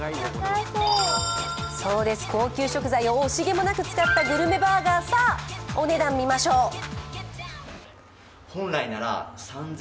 そうです、高級食材を惜しげもなく使ったグルメバーガー、さあ、お値段、見ましょう。